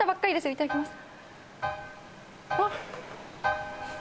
いただきます。